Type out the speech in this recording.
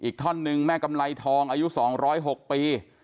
อีกท่อนึงแม่กำไรทองอายุ๒๐๖ปี